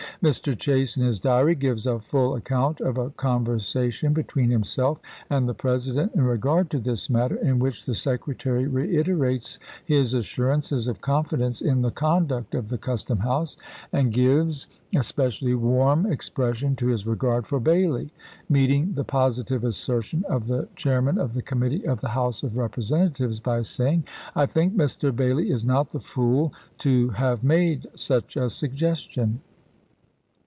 Mr. Chase, in his diary, gives a full account of a conversation between himself and the President in regard to this matter, in which the Secretary reiterates his assurances of confidence in the conduct of the custom house, and gives es THE KESIGNATION OF MR. CHASE 87 pecially warm expression to his regard for Bailey, chap. iv. meeting the positive assertion of the chairman of the committee of the House of Representatives by saying, " I think Mr. Bailey is not the fool to have made such a suggestion."